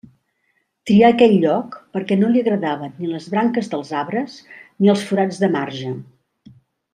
Trià aquell lloc perquè no li agradaven ni les branques dels arbres ni els forats de marge.